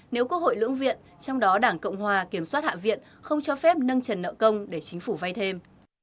nếu quốc hội lưỡng viện trong đó đảng cộng hòa kiểm soát hạ viện không cho phép nâng trần nợ công để chính phủ vay thêm